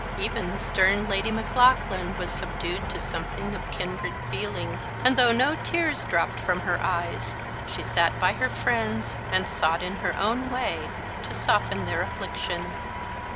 Even the stern Lady Maclaughlan was subdued to something of kindred feeling; and though no tears dropped from her eyes, she sat by her friends, and sought, in her own way, to soften their affliction.